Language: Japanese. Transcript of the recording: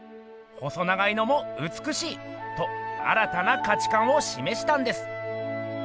「細長いのもうつくしい！」と新たな価値観をしめしたんです。